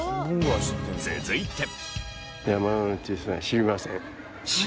続いて。